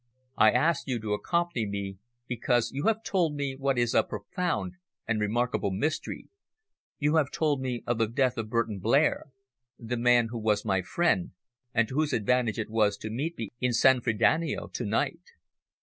I asked you to accompany me, because you have told me what is a profound and remarkable mystery. You have told me of the death of Burton Blair, the man who was my friend, and to whose advantage it was to meet me in San Frediano to night.